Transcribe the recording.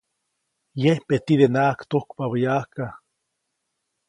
Yempe tidenaʼajk tujkpabä yaʼajka.